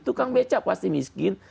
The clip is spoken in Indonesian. tukang beca pasti miskin